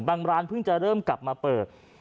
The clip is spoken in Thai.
ร้านเพิ่งจะเริ่มกลับมาเปิด